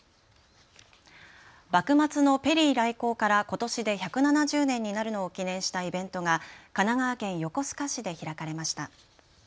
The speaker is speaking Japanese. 幕末のペリー来航からことしで１７０年になるのを記念したイベントが神奈川県横須賀市で開かれました。